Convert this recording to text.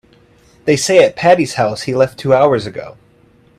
They say at Patti's house he left two hours ago.